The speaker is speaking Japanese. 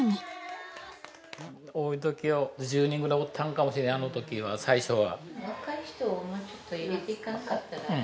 多いときは１０人ぐらいおったんかもしれんあのときは最初は。